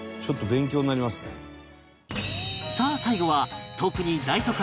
さあ最後は特に大都会